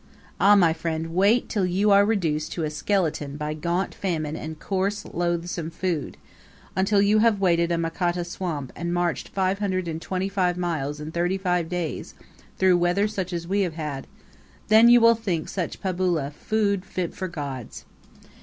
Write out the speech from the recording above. Ah, my friend, wait till you are reduced to a skeleton by gaunt famine and coarse, loathsome food until you have waded a Makata swamp, and marched 525 miles in thirty five days through such weather as we have had then you will think such pabula, food fit for gods!